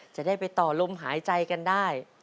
จะได้ไปต่อลมหายใจกันได้